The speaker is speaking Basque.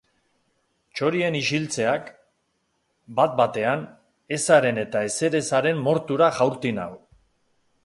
Txorien isiltzeak, bat-batean, ezaren eta ezerezaren mortura jaurti nau.